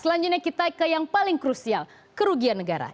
selanjutnya kita ke yang paling krusial kerugian negara